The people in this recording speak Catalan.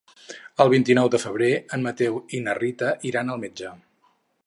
El vint-i-nou de febrer en Mateu i na Rita iran al metge.